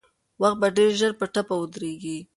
وخت به ډېر ژر په ټپه ودرېږي.